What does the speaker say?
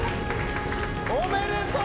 おめでとう。